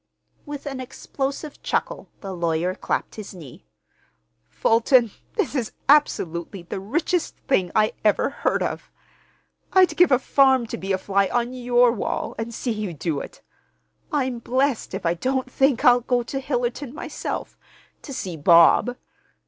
With an explosive chuckle the lawyer clapped his knee. "Fulton, this is absolutely the richest thing I ever heard of! I'd give a farm to be a fly on your wall and see you do it. I'm blest if I don't think I'll go to Hillerton myself—to see Bob.